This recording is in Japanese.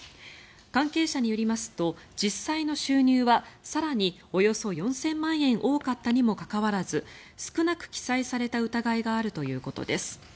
関係者によりますと実際の収入は更におよそ４０００万円多かったにもかかわらず少なく記載された疑いがあるということです。